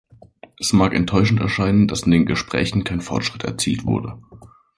Es mag enttäuschend erscheinen, dass in den Gesprächen kein Fortschritt erzielt wurde.